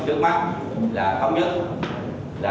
là thống nhất là trong giai đoạn hiện nay